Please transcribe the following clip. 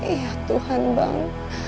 iya tuhan bang